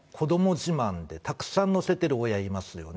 自慢でたくさん載せてる親いますよね。